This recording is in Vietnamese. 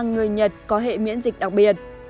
nhiều người nhật có hệ miễn dịch đặc biệt